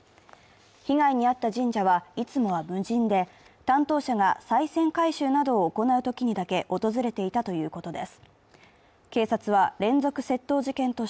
被害に遭った神社はいつもは無人で、担当者がさい銭回収などを行うときにだけ訪れていたということです。